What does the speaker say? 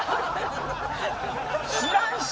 知らんし！